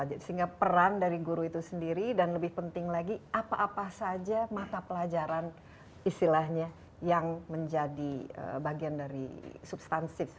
sehingga peran dari guru itu sendiri dan lebih penting lagi apa apa saja mata pelajaran istilahnya yang menjadi bagian dari substansi